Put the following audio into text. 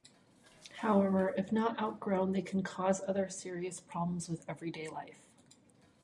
However, if not outgrown, they can cause other serious problems with everyday life.